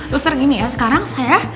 dokter gini ya sekarang saya